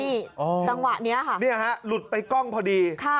นี่จังหวะนี้ค่ะเนี่ยฮะหลุดไปกล้องพอดี